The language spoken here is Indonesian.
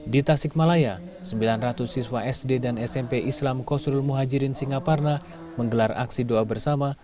di tasikmalaya sembilan ratus siswa sd dan smp islam kosrul muhajirin singaparna menggelar aksi doa bersama